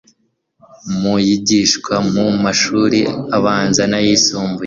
mu yigishwa mu mashuri abanza n'ayisumbuye,